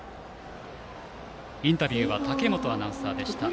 インタビューは武本アナウンサーでした。